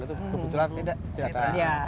itu kebetulan tidak ada